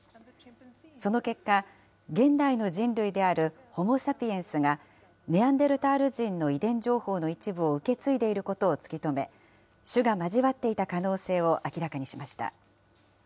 その結果、現代の人類であるホモ・サピエンスが、ネアンデルタール人の遺伝情報の一部を受け継いでいることを突き止め、種が交わっていた可能性を明らかにしました。